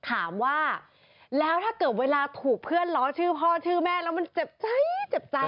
ถามว่าแล้วถ้าเกิดเวลาถูกเพื่อนล้อชื่อพ่อชื่อแม่แล้วมันเจ็บใจเจ็บใจ